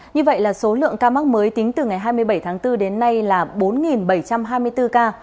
như vậy là số lượng ca mắc mới tính từ ngày hai mươi bảy tháng bốn đến nay là bốn bảy trăm hai mươi bốn ca